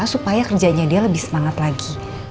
supaya kerjanya dia lebih semangat lagi